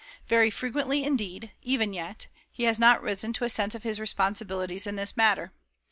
Very frequently, indeed, even yet, he has not risen to a sense of his responsibilities in this matter.